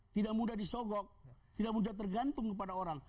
tidak mudah disogok tidak mudah tergantung kepada orang